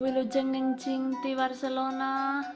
aku ingin mencintai barcelona